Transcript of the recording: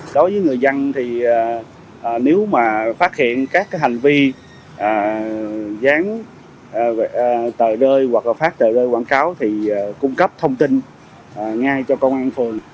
đối với người dân thì nếu mà phát hiện các hành vi dán tờ rơi hoặc là phát tờ rơi quảng cáo thì cung cấp thông tin ngay cho công an phường